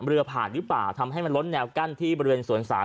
เรือผ่านหรือเปล่าทำให้มันล้นแนวกั้นที่บริเวณสวนสาม